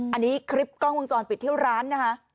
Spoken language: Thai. อันนี้คลิปกล้องวงจรปิดที่ร้านนะคะ